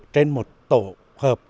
trên một tổ hợp